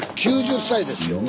９０歳ですよ。